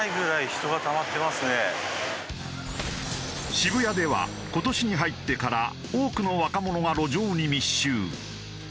渋谷では今年に入ってから多くの若者が路上に密集。